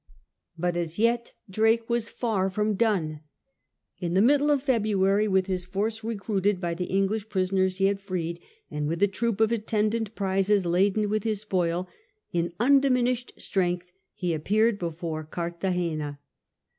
But as yet Drake was far from done. In the middle of February, with his force recruited by the English prisoners he had freed, and with a troop of attendant prizes laden with his spoil, in undiminished strength he appeared before Cartagena.